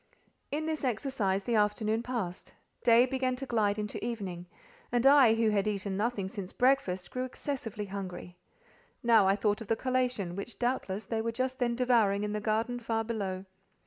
In this exercise the afternoon passed: day began to glide into evening; and I, who had eaten nothing since breakfast, grew excessively hungry. Now I thought of the collation, which doubtless they were just then devouring in the garden far below.